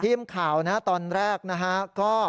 พรีมข่าวนะครับตอนแรกนะครับก็